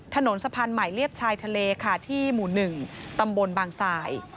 ถนนสะพานใหม่เรียบชายทะเลค่ะที่หมู่๑ตำบลบางสาย